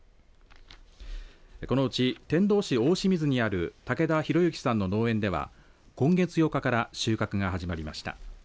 このうち天童市大清水にある武田弘幸さんの農園では今月８日から収穫が始まりました。